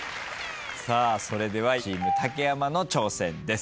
それではチーム竹山の挑戦です。